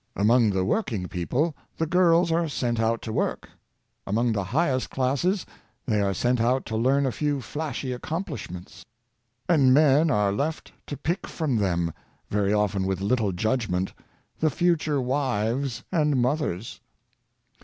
Among the working people, the girls are sent out to work; among th.e higher classes, they are sent out to learn a few flashy accomplishments; and men are left to pick from them, very often with little judgment, the future wives and mothers.